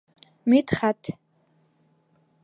Мидхәт...